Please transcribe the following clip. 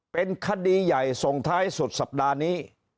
เป็นคดีใหญ่ส่งท้ายสุดสัปดาห์นี้